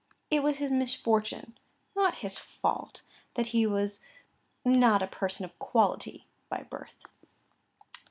It was his misfortune, not his fault, that he was not a person of quality by birth."